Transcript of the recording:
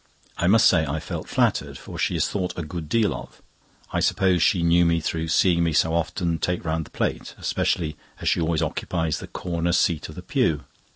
I must say I felt flattered, for she is thought a good deal of. I suppose she knew me through seeing me so often take round the plate, especially as she always occupies the corner seat of the pew.